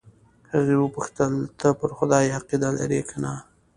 هغه وپوښتل ته پر خدای عقیده لرې که نه.